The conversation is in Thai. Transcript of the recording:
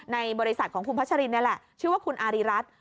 ในบริษัทของคุณพัชรินนี่แหละชื่อว่าคุณอาริรัตน์